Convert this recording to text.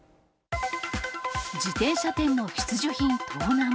自転車店の必需品盗難。